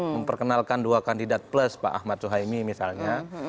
memperkenalkan dua kandidat plus pak ahmad sohaimi misalnya